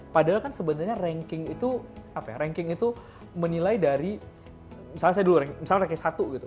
padahal kan sebenarnya ranking itu apa ya ranking itu menilai dari misalnya saya dulu misalnya ranking satu gitu